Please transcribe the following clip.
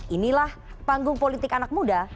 inilah panggung politik anak muda